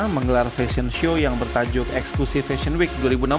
menggelar fashion show yang bertajuk eksklusif fashion week dua ribu enam belas